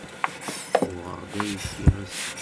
Uɣeɣ-d ayefki ass-a.